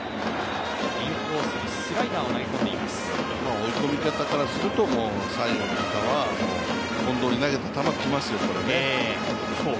追い込み方からすると、近藤に投げた球がきますよ。